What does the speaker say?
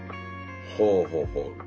ほうほうほう。